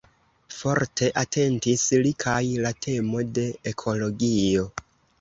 Forte atentis li kaj la temo de ekologio.